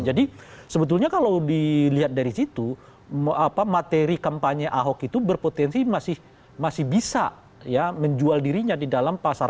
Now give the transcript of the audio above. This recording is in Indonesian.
jadi sebetulnya kalau dilihat dari situ materi kampanye ahok itu berpotensi masih bisa ya menjual dirinya di dalam pasar